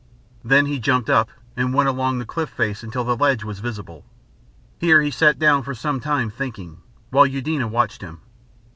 Then he jumped up and went along the cliff face until the ledge was visible. Here he sat down for some time thinking, while Eudena watched him.